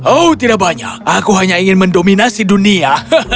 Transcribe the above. oh tidak banyak aku hanya ingin mendominasi dunia